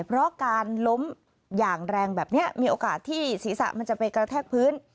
เพราะการล้มอย่างแรงแบบนี้มีโอกาสที่ศีรษะมันจะไปกระแทกพื้น